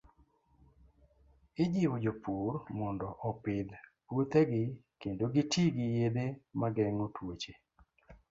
Ijiwo jopur mondo opidh puothegi kendo giti gi yedhe ma geng'o tuoche.